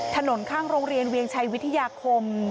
ถนนข้างโรงเรียนเวียงชัยวิทยาคม